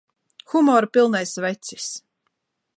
Humora pilnais vecis!